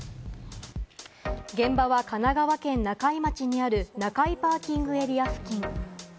現場は神奈川県中井町にある中井パーキングエリア付近。